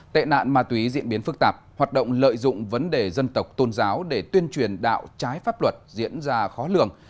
tệ nạn ma túy diễn biến phức tạp hoạt động lợi dụng vấn đề dân tộc tôn giáo để tuyên truyền đạo trái pháp luật diễn ra khó lường